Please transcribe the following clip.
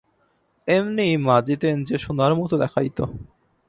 এমনি মাজিতেন যে, সোনার মত দেখাইত।